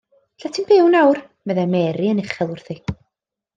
Lle wyt ti'n byw nawr, meddai Mary yn uchel wrthi.